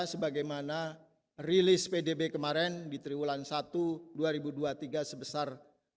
sebagaimana rilis pdb kemarin di triwulan satu dua ribu dua puluh tiga sebesar